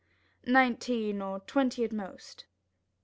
"Nineteen or twenty at the most."